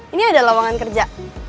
ini ada lawangan kerja